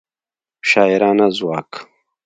شاعرانه ځواک